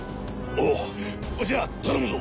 おうじゃあ頼むぞ！